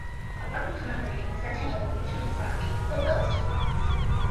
Apart from commemorating the centennial of the Bhutanese monarchy, it fulfills two prophecies.